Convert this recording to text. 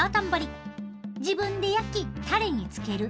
自分で焼きタレにつける。